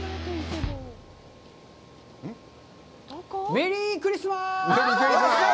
メリークリスマス！